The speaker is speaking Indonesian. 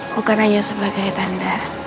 bukan hanya sebagai tanda